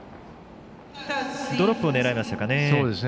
ドロップを狙いましたかね。